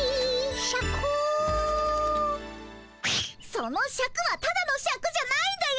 そのシャクはただのシャクじゃないんだよ。